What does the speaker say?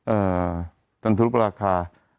เออจนทุกราคา